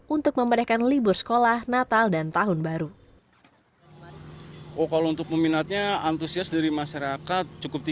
untuk memberikan libur sekolah natal dan tahun baru